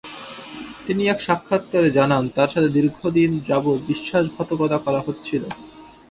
তিনি এক সাক্ষাৎকারে জানান তার সাথে দীর্ঘদিন যাবত বিশ্বাসঘাতকতা করা হচ্ছিল।